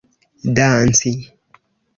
danci